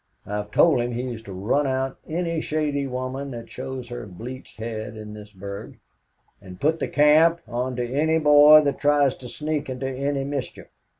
I've told him he's to run out any shady woman that shows her bleached head in this burg, and put the camp onto any boy that tries to sneak into any mischief.